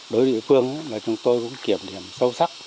đối với địa phương là chúng tôi cũng kiểm điểm sâu sắc